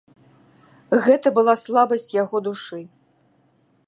Гэта была слабасць яго душы.